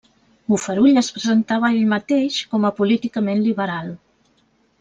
Bofarull es presentava ell mateix com a políticament liberal.